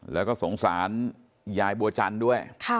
และสงสารยายบัวจันด้วย